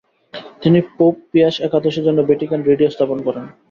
তিনি pope Pius একাদশের জন্য ভ্যাটিকান রেডিও স্থাপন করেন।